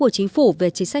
với chuyện xong vẫn nasal